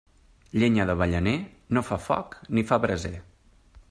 Llenya d'avellaner, no fa foc ni fa braser.